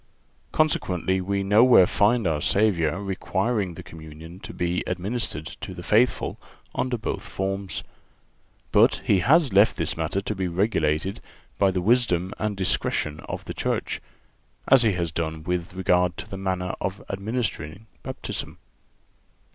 Consequently, we nowhere find our Savior requiring the communion to be administered to the faithful under both forms; but He has left this matter to be regulated by the wisdom and discretion of the Church, as He has done with regard to the manner of administering Baptism.